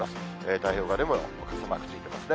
太平洋側でも傘マークついてますね。